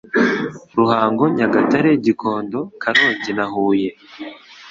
Ruhango Nyagatare Gikondo Karongi na Huye